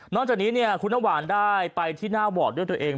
นอกจากนี้เนี่ยคุณอะหวานได้ไปที่หน้าวอดด้วยด้วยเอง